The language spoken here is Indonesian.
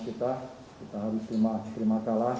kita harus terima kalah